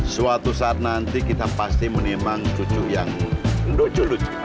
suatu saat nanti kita pasti menimbang cucu yang indocu lucu